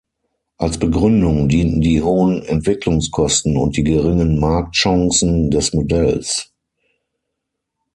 Als Begründung dienten die hohen Entwicklungskosten und die geringen Marktchancen des Modells.